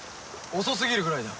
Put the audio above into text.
遅すぎるぐらいだ。